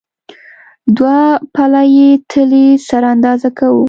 دوه پله یي تلې سره اندازه کوو.